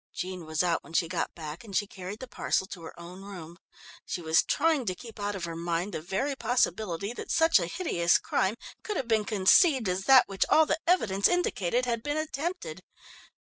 Jean was out when she got back and she carried the parcel to her own room. She was trying to keep out of her mind the very possibility that such a hideous crime could have been conceived as that which all the evidence indicated had been attempted.